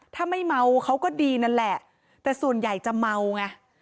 ถ้าไม่เมาเขาก็ดีนั่นแหละแต่ส่วนใหญ่จะเมาไง